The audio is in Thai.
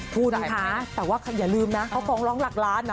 คุณนะคะแต่ว่าอย่าลืมนะเขาฟ้องร้องหลักล้านนะ